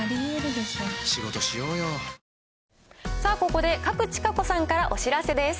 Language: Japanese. ここで賀来千香子さんからお知らせです。